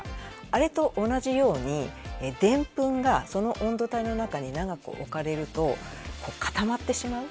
あれと同じようにでんぷんがその温度帯の中に長く置かれると固まってしまう。